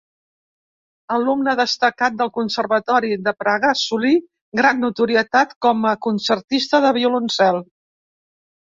Alumne destacat del Conservatori de Praga assolí gran notorietat com a concertista de violoncel.